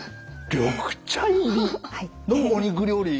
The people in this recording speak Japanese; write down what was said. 緑茶入りのお肉料理。